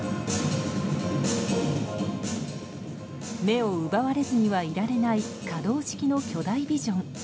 目を奪われずにはいられない可動式の巨大ビジョン。